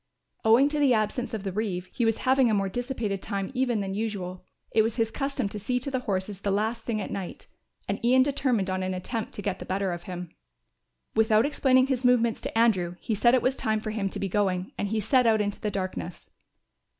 Owing to the absence of the reeve he was having a more dissipated time even than usual. It was his custom to see to the horses the last thing at night, and Ian determined on an attempt to get the better of him. Without explaining his movements to Andrew he said it was time for him to be going, and he set out into the darkness.